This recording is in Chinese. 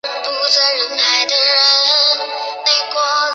而多名议员书面质询气象局悬挂风球标准。